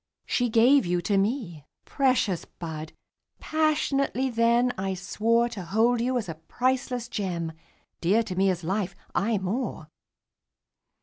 She gave you to me. Precious bud! Passionately then I swore To hold you as a priceless gem, Dear to me as life aye more!